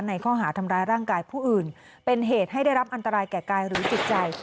ในข้อหาทำร้ายร่างกายผู้อื่นเป็นเหตุให้ได้รับอันตรายแก่กายหรือจิตใจ